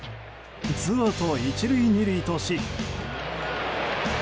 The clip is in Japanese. ツーアウト１塁２塁とし。